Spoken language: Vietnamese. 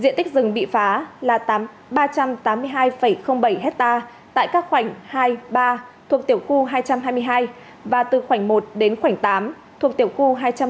diện tích rừng bị phá là ba trăm tám mươi hai bảy hectare tại các khoảnh hai ba thuộc tiểu khu hai trăm hai mươi hai và từ khoảnh một đến khoảnh tám thuộc tiểu khu hai trăm ba mươi